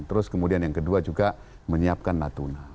terus kemudian yang kedua juga menyiapkan natuna